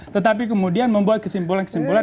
tetapi kemudian membuat kesimpulan kesimpulan